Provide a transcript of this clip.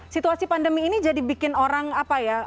situasi pandemi ini jadi bikin orang apa ya